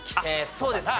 そうですね